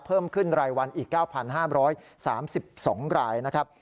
เพิ่มขึ้นรายวันอีก๙๕๓๒รายนะครับ